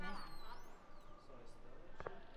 ঠিক যেভাবে আপনি করেছেন।